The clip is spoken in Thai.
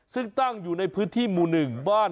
ซึ่งตั้งอยู่ในพติมหลงนึ่งบ้าน